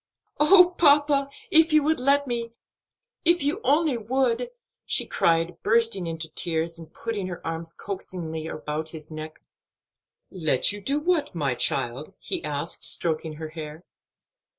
"Oh, papa, if you would let me! if you only would!" she cried, bursting into tears, and putting her arms coaxingly about his neck. "Let you do what, my child?" he asked, stroking her hair.